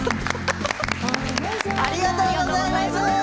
ありがとうございます。